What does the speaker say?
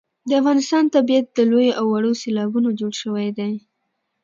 د افغانستان طبیعت له لویو او وړو سیلابونو جوړ شوی دی.